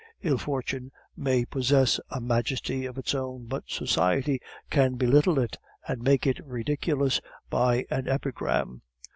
Ill fortune may possess a majesty of its own, but society can belittle it and make it ridiculous by an epigram.